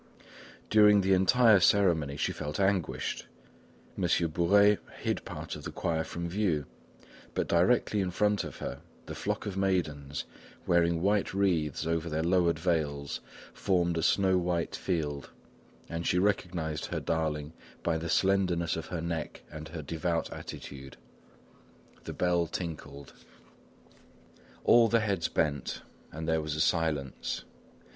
During the entire ceremony, she felt anguished. Monsieur Bourais hid part of the choir from view, but directly in front of her, the flock of maidens, wearing white wreaths over their lowered veils, formed a snow white field, and she recognised her darling by the slenderness of her neck and her devout attitude. The bell tinkled. All the heads bent and there was a silence.